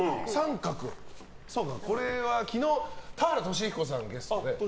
これは昨日田原俊彦さんゲストで。